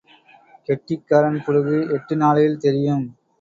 கெட்டிக்காரன் புளுகு எட்டு நாளையில் தெரியும்.